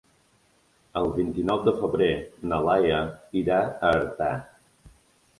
El vint-i-nou de febrer na Laia irà a Artà.